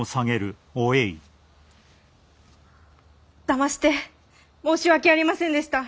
だまして申し訳ありませんでした。